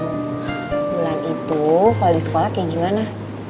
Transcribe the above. bulan itu kalau di sekolah kayak gimana